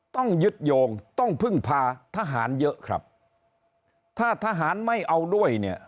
ต้องยึดโยงต้องพึ่งพาทหารเยอะครับถ้าทหารไม่เอาด้วยเนี่ย